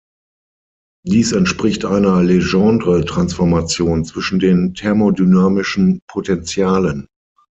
Dies entspricht einer Legendre-Transformation zwischen den thermodynamischen Potentialen.